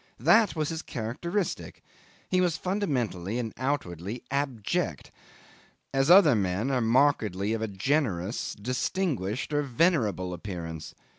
That was his characteristic; he was fundamentally and outwardly abject, as other men are markedly of a generous, distinguished, or venerable appearance.